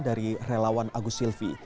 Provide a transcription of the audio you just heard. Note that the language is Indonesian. dari relawan agus silvi